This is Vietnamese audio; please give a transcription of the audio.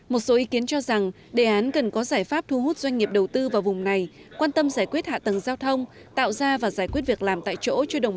một số ý kiến cho rằng đề án cần có giải pháp thu hút doanh nghiệp đầu tư vào vùng này quan tâm giải quyết hạ tầng giao thông tạo ra và giải quyết việc làm tại chỗ cho đồng bào dân tộc thiểu số miền núi